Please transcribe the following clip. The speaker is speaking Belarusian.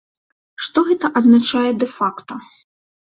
Што гэта азначае дэ-факта?